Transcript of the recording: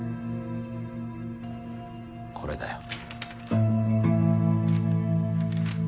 これだよ。